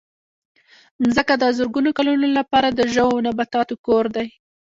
مځکه د زرګونو کلونو لپاره د ژوو او نباتاتو کور دی.